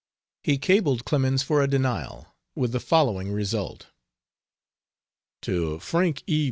He cabled Clemens for a denial, with the following result: To Frank E.